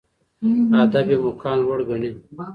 ادب یې مقام لوړ ګڼي